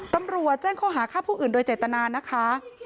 ตำรวจแจ้งข้อหาฆ่าผู้อื่นโดยเจตนานะคะ